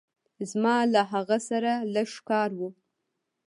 زما له هغه سره لږ کار وه.